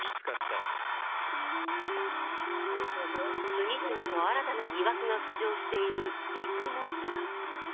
次々と新たな疑惑が浮上しているビッグモーター。